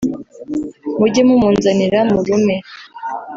mujye mumunzanira murume